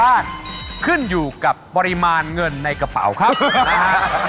และแน่นอนนะครับเราจะกลับมาสรุปกันต่อนะครับกับรายการสุขที่รักของเรานะครับ